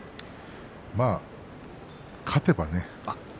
まあ勝てばね。